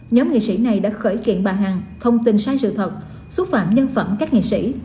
nhóm nghị sĩ này đã khởi kiện bà hằng thông tin sai sự thật xúc phạm nhân phẩm các nghệ sĩ